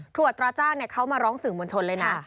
อัตราจ้างเขามาร้องสื่อมวลชนเลยนะ